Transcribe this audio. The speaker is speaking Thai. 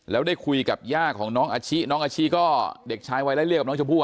แล้วได้คุยกับย่าของน้องอาชิน้องอาชิก็เด็กชายวัยไล่เรียกกับน้องชมพู่